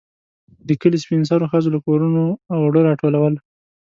د کلي سپين سرو ښځو له کورونو اوړه راټولول.